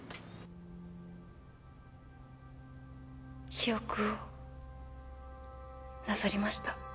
記憶をなぞりました。